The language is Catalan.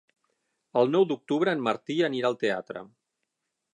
El nou d'octubre en Martí anirà al teatre.